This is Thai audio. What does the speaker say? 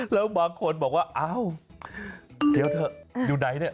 แล้วบางคนบอกว่าอ้าวเดี๋ยวเถอะอยู่ไหนเนี่ย